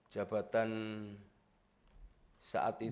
jabatan saat itu